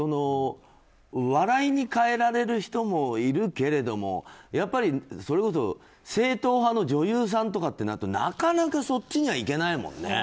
笑いに変えられる人もいるけれどもやっぱりそれこそ正統派の女優さんとかとなるとなかなかそっちにはいけないもんね。